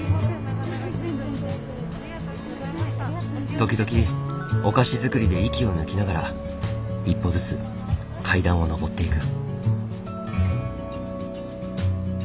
時々お菓子作りで息を抜きながら一歩ずつ階段を上っていく。